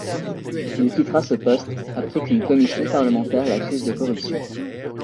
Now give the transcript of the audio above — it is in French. Il quittera ce poste après qu’une commission parlementaire l’accuse de corruption.